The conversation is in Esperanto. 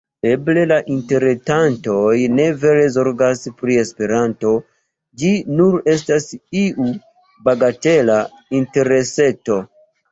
Eble la interretantoj ne vere zorgas pri Esperanto, ĝi nur estas iu bagatela intereseto.